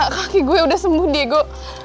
kaki gue udah sembuh diego